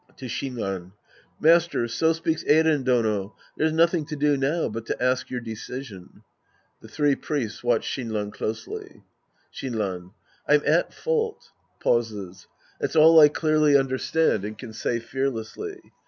{To Shinran.) Master, so speaks Eiren Dono. There's nothing to do now but to ask your decision, ij'he three Priests watch Shinran closely.') Shinran. I'm at fault. {Pauses.) That's all I clearly understand and can say fearlessly.